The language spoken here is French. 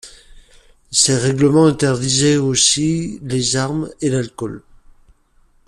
Ces règlements interdisaient aussi les armes et l'alcool.